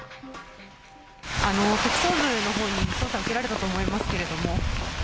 特捜部のほうの捜査を受けられたと思いますけど。